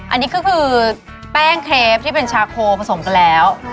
อันนี้ก็คือแป้งเคลปที่เป็นชาโคผสมกันแล้ว